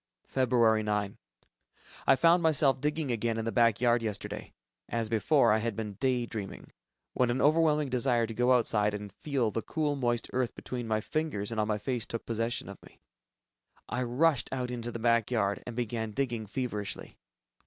Feb. 9. I found myself digging again in the back yard yesterday. As before, I had been "day dreaming," when an overwhelming desire to go outside and feel the cool moist earth between my fingers and on my face took possession of me. I rushed out into the back yard, and began digging feverishly